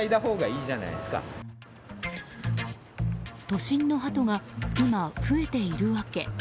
都心のハトが今、増えている訳。